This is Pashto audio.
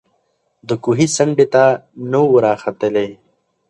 د کوهي څنډي ته نه وو راختلی